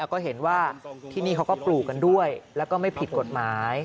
ก็เห็นว่าที่นี่เขาก็ปลูกกันด้วยแล้วก็ไม่ผิดกฎหมาย